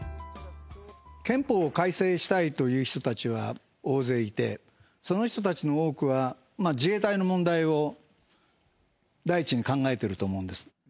憲法を改正したいという人たちは大勢いて、その人たちの多くは、自衛隊の問題を第一に考えていると思うんです。